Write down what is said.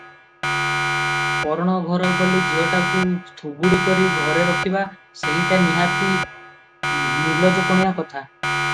କରଣ ଘର ବୋଲି ଝିଅଟାକୁ ଥୁବୁଡ଼ୀ କରି ଘରେ ରଖିବା, ସେହିଟା ନିହାତି ନିଲଜପଣିଆ କଥା ।